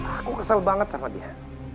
aku kesal banget sama dia